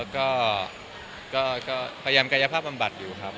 ก็พยายามกายภาพบำบัดอยู่ครับ